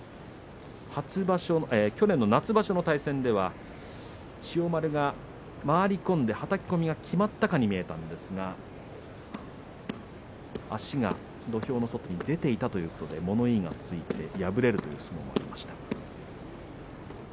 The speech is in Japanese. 去年の夏場所の対戦では千代丸が回り込んではたき込みが決まったかに見えたんですが足が土俵の外に出ていたということで物言いがついて敗れるということになりました。